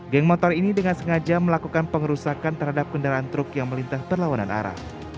geng motor ini dengan sengaja melakukan pengerusakan terhadap kendaraan truk yang melintas perlawanan arah